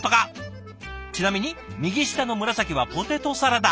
ちなみに右下の紫はポテトサラダ。